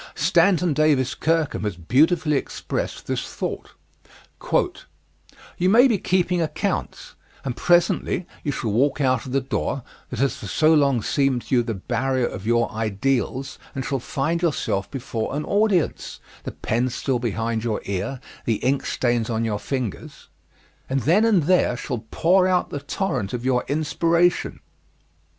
Stanton Davis Kirkham has beautifully expressed this thought: "You may be keeping accounts, and presently you shall walk out of the door that has for so long seemed to you the barrier of your ideals, and shall find yourself before an audience the pen still behind your ear, the ink stains on your fingers and then and there shall pour out the torrent of your inspiration.